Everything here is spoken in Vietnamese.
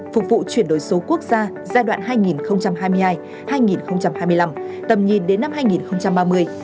phục vụ chuyển đổi số quốc gia giai đoạn hai nghìn hai mươi hai hai nghìn hai mươi năm tầm nhìn đến năm hai nghìn ba mươi